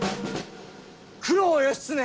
九郎義経